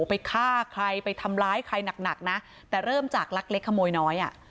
ไปฆ่าใครไปทำร้ายใครหนักหนักนะแต่เริ่มจากลักเล็กขโมยน้อยอ่ะ